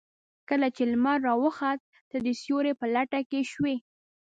کله چې لمر راوخت تۀ د سيوري په لټه کې شوې.